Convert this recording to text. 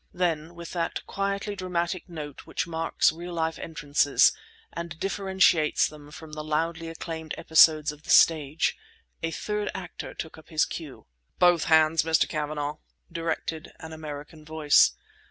Then, with that quietly dramatic note which marks real life entrances and differentiates them from the loudly acclaimed episodes of the stage, a third actor took up his cue. "Both hands, Mr. Cavanagh!" directed an American voice.